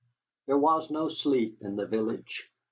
There was no sleep in the village.